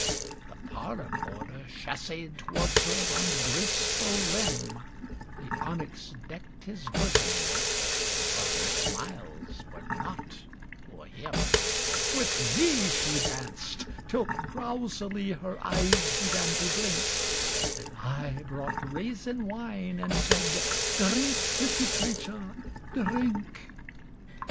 The parlour boarder chass├®ed towŌĆÖrds her on graceful limb; The onyx decked his bosomŌĆöbut her smiles were not for him: With me she dancedŌĆötill drowsily her eyes ŌĆ£began to blink, ŌĆØ And I brought raisin wine, and said, ŌĆ£Drink, pretty creature, drink!